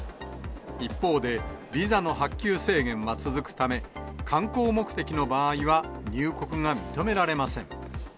一方で、ビザの発給制限は続くため、観光目的の場合は入国が認められません。